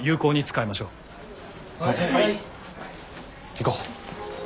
行こう。